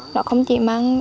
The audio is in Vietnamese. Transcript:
nó không chỉ mang